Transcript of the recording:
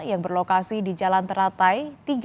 yang berlokasi di jalan teratai tiga